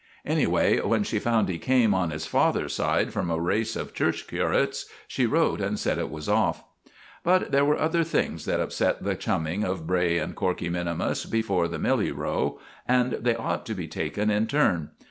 Anyway, when she found he came, on his father's side, from a race of church curates, she wrote and said it was off. But there were other things that upset the chumming of Bray and Corkey minimus before the Milly row, and they ought to be taken in turn.